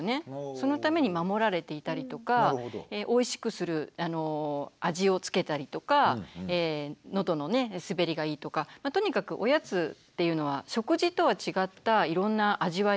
そのために守られていたりとかおいしくする味をつけたりとか喉の滑りがいいとかとにかくおやつっていうのは食事とは違ったいろんな味わいがあったりするわけですよ。